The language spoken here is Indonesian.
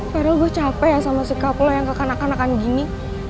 veryl gue capek ya sama sikap lo yang kekanakan kanakan gini